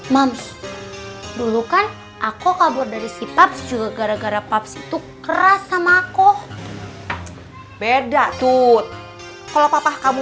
mams dulu kan aku kabur dari sipap juga gara gara paps itu keras sama aku beda tut kalau papa kamu